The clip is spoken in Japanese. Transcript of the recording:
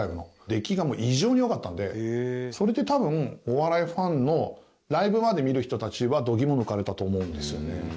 出来がもう異常に良かったんでそれで多分お笑いファンのライブまで見る人たちは度肝抜かれたと思うんですよね。